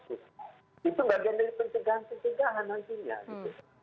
itu bagian dari pencegahan pencegahan nantinya gitu